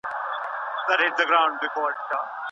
سپینه پرده په رنګ رنګینه شي